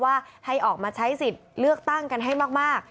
ว่าให้ออกมาใช้สิทธิ์เลือกตั้งกันให้มาก